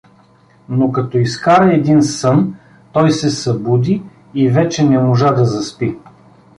Но като изкара един сън, той се събуди и вече не можа да заспи.